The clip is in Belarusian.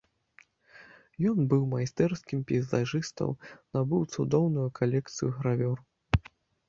Ён быў майстэрскім пейзажыстаў, набыў цудоўную калекцыю гравюр.